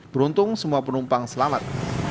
beruntung semua penumpang selamat